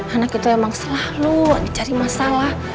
anak itu emang selalu dicari masalah